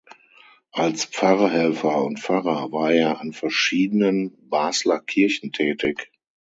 Als Pfarrhelfer und Pfarrer war er an verschiedenen Basler Kirchen tätig.